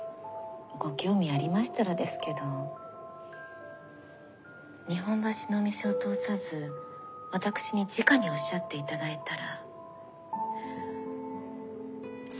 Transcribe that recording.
ご興味ありましたらですけど日本橋のお店を通さず私にじかにおっしゃって頂いたら３割引きにできますのよ